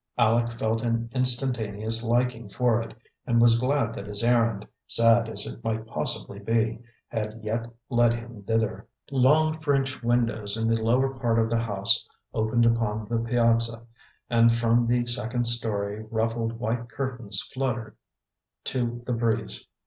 Aleck felt an instantaneous liking for it, and was glad that his errand, sad as it might possibly be, had yet led him thither. Long French windows in the lower part of the house opened upon the piazza, and from the second story ruffled white curtains fluttered to the breeze.